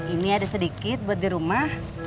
ini ada sedikit buat di rumah